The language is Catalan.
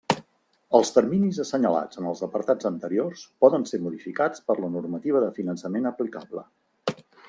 Els terminis assenyalats en els apartats anteriors poden ser modificats per la normativa de finançament aplicable.